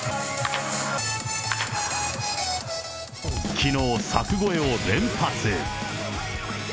きのう、柵越えを連発。